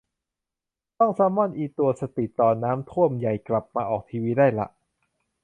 ต้องซัมมอนอิตัวสติตอนน้ำท่วมใหญ่กลับมาออกทีวีได้ละ